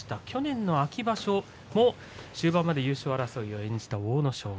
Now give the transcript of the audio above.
去年の秋場所も終盤まで優勝争いを演じた阿武咲